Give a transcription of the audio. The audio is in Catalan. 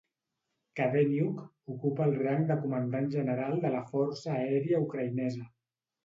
Kadeniuk ocupa el rang de comandant general de la Força Aèria Ucraïnesa.